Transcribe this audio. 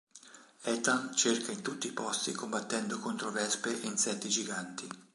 Ethan cerca in tutti i posti combattendo contro vespe e insetti giganti.